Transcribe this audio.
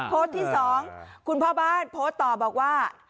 โพสต์ที่๒คุณพ่อบ้านโพสต์ต่อบอกว่า